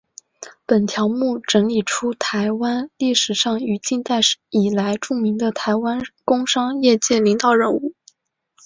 本条目整理出台湾历史上与近代以来著名的台湾工商业界领导人物。